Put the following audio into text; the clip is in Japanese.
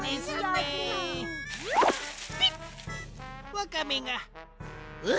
ワカメが。